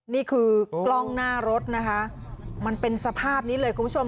นี่คือกล้องหน้ารถนะคะมันเป็นสภาพนี้เลยคุณผู้ชม